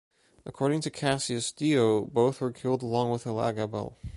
According to Cassius Dio, both were killed along with Elagabal.